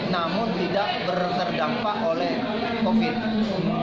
namun tidak terdampak oleh covid sembilan belas